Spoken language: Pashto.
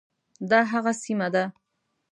دا هغه سیمه ده.